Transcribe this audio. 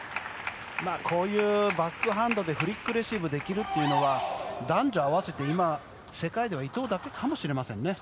こういうバックハンドでフリックレシーブできるというのは男女合わせて今、世界では伊藤だけかもしれませんね。